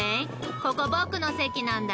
ここ、僕の席なんだ。